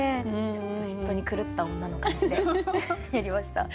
ちょっと嫉妬に狂った女の感じでやりました。